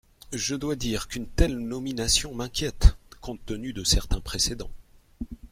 Je dois dire qu’une telle nomination m’inquiète, compte tenu de certains précédents.